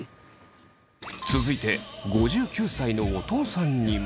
続いて５９歳のお父さんにも。